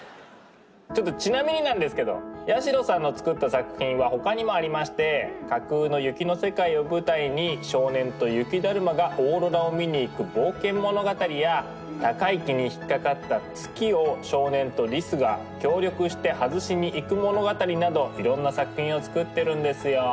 ちょっとちなみになんですけど八代さんの作った作品は他にもありまして架空の雪の世界を舞台に少年と雪だるまがオーロラを見に行く冒険物語や高い木に引っ掛かった月を少年とリスが協力して外しに行く物語などいろんな作品を作ってるんですよ。